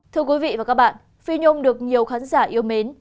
thưa quý vị và các bạn phi nhôm được nhiều khán giả yêu mến